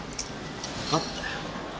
わかったよ。